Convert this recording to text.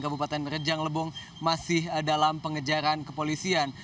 kabupaten rejang lebong masih dalam pengejaran kepolisian